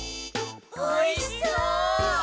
おいしそう。